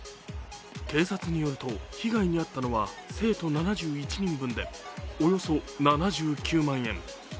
警察によると被害に遭ったのは生徒７１人分でおよそ７９万円。